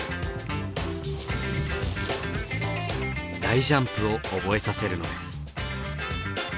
大ジャンプを覚えさせるのです。